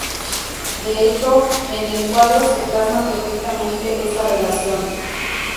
De hecho, en el cuadro se plasma perfectamente esa relación.